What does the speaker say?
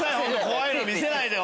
怖いの見せないで！